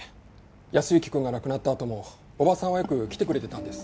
靖之くんが亡くなったあともおばさんはよく来てくれてたんです。